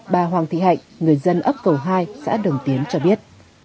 bà hoàng thị hạnh người dân ấp cầu hai xã đồng tiến cho biết